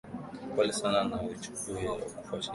pole sana na huchipua kwa kufuata mizizi